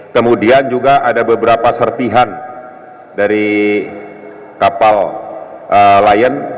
kemudian juga ada beberapa serpihan dari kapal lion